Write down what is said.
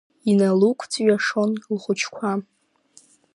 Иналықәҵәиашон лхәыҷқәа.